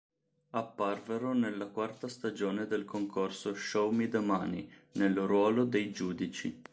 Apparvero nella quarta stagione del concorso "Show Me the Money" nel ruolo dei giudici.